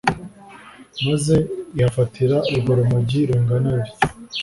maze ihafatira urwo rumogi rungana rutyo